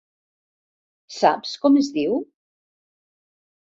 Saps com es diu?